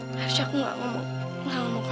harusnya aku gak mau